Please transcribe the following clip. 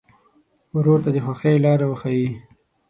ورور ته د خوښۍ لاره ښيي.